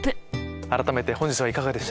改めて本日はいかがでした？